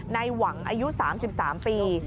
ในหวังอายุ๓๓ปี